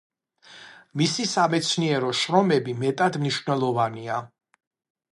მისი სამეცნიერო შრომები მეტად მნიშვნელოვანია.